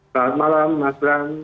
selamat malam mas bram